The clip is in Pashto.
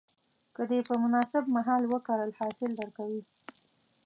که دې په مناسب مهال وکرل، حاصل درکوي.